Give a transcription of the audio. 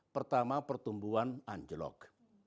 pertama pertumbuhan anjlog